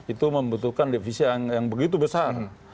itu membutuhkan defisit yang begitu besar